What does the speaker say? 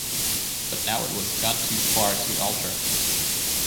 But now it was gone too far to alter.